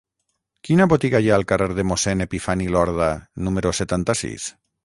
Quina botiga hi ha al carrer de Mossèn Epifani Lorda número setanta-sis?